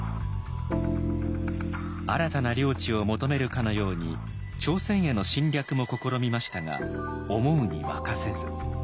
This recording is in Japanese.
新たな領地を求めるかのように朝鮮への侵略も試みましたが思うに任せず。